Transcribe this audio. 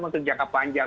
untuk jangka panjang